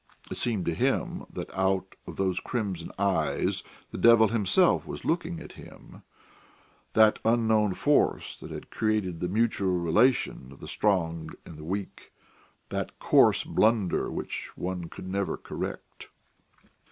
It seemed to him that out of those crimson eyes the devil himself was looking at him that unknown force that had created the mutual relation of the strong and the weak, that coarse blunder which one could never correct.